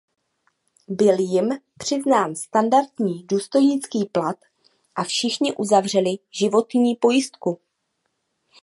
Byl jim přiznán standardní důstojnický plat a všichni uzavřeli životní pojistku.